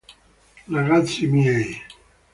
Ragazzi miei!